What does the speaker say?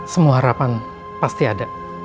semua harapan pasti ada